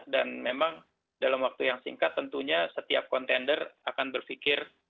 dan memang dalam waktu yang singkat tentunya setiap contender akan berpikir